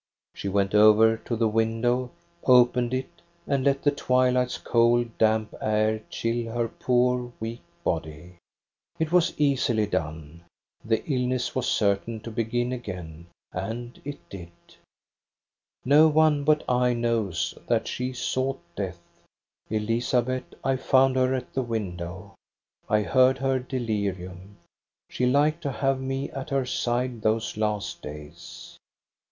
" She went over to the window, opened it, and let the twilight's cold, damp air chill her poor, weak body. " It was easily done. The illness was certain to begin again, and it did. "No one but I knows that she sought death, EBB A DOHNA'S STORY 231 Elizabeth. I found her at the window. I heard her delirium. She liked to have me at her side those last days.